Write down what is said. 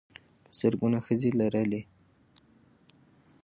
په زرګونه ښځې لرلې.